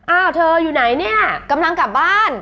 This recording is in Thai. อ้าวเธออยู่ไหนเนี่ยกำลังกลับบ้าน